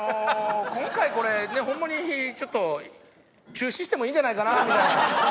今回これねホンマにちょっと中止してもいいんじゃないかなみたいな。